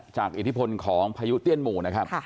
อิทธิพลของพายุเตี้ยนหมู่นะครับ